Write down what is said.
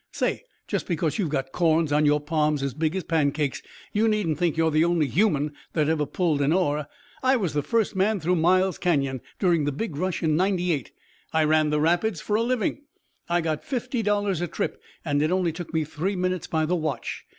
"Say, just because you've got corns on your palms as big as pancakes, you needn't think you're the only human that ever pulled an oar. I was the first man through Miles Canon. During the big rush in '98 I ran the rapids for a living. I got fifty dollars a trip, and it only took me three minutes by the watch.